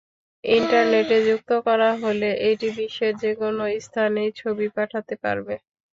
ইন্টারনেটে যুক্ত করা হলে এটি বিশ্বের যেকোনো স্থানেই ছবি পাঠাতে পারবে।